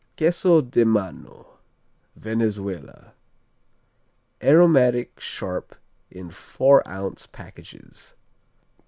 Queso de Mano Venezuela Aromatic, sharp, in four ounce packages.